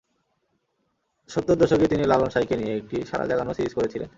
সত্তর দশকে তিনি লালন সাঁইকে নিয়ে একটি সাড়া জাগানো সিরিজ করেছিলেন।